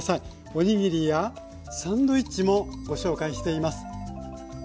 おにぎりやサンドイッチもご紹介しています。